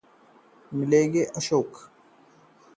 राहुल गांधी से मिलेंगे अशोक गहलोत